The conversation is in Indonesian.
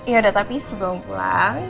yaudah tapi si belum pulang